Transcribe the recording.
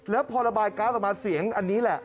แล้วพอระบายกราฟออกมาเสียงอันนี้แหละ